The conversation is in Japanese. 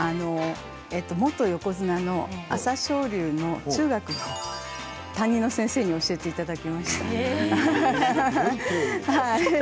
元横綱、朝青龍の中学の担任の先生に教えていただきました。